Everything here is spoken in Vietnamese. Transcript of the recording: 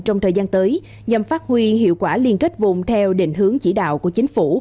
trong thời gian tới nhằm phát huy hiệu quả liên kết vùng theo định hướng chỉ đạo của chính phủ